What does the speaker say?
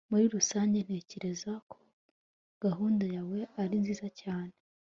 muri rusange, ntekereza ko gahunda yawe ari nziza cyane